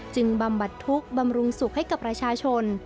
บำบัดทุกข์บำรุงสุขให้กับประชาชน